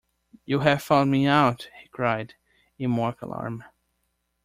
"You have found me out!" he cried, in mock alarm.